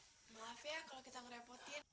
maaf ya kalau kita ngerepotin